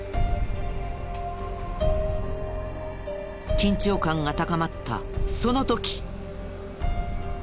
緊張感が高まったその時。